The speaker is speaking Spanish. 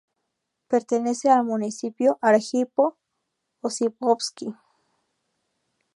Pertenece al municipio Arjipo-Ósipovski.